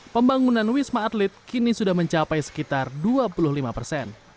pembangunan wisma atlet kini sudah mencapai sekitar dua puluh lima persen